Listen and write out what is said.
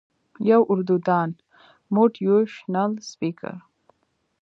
يو اردو دان موټيوېشنل سپيکر